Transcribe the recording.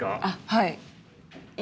はい。